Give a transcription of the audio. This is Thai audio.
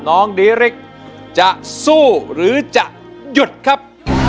น้องดีริกจะสู้หรือจะหยุดครับ